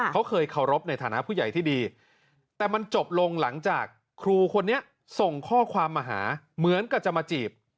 เขาเคยเคารพในฐานะผู้ใหญ่ที่ดีแต่มันจบลงหลังจากครูคนนี้ส่งข้อความมาหาเหมือนกับจะมาจีบ